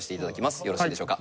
よろしいでしょうか。